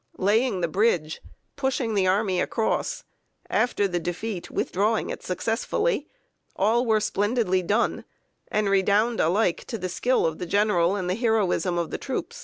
Laying the bridge, pushing the army across, after the defeat withdrawing it successfully all were splendidly done, and redound alike to the skill of the general and the heroism of the troops.